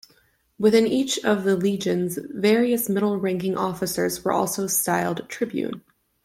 Within each of the legions, various middle-ranking officers were also styled "tribune".